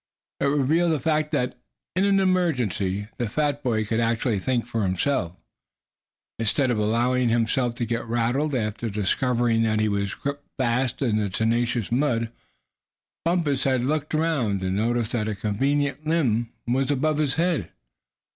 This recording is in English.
It revealed the fact that in an emergency the fat boy could actually think for himself. Instead of allowing himself to get "rattled" after discovering that he was gripped fast in the tenacious mud, Bumpus had looked around him, and noticed that convenient limb above his head.